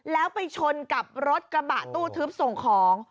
แล้วไปชนกับรถกระบะตู้ทึบส่งของ